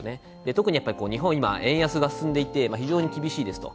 特に日本は今、円安が進んでいて非常に厳しいですと。